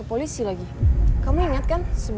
oh komunitas ini